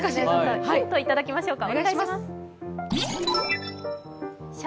ヒントいただきましょうか。